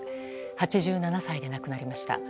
８７歳で亡くなりました。